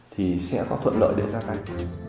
thì sẽ có thuận lợi để ra tay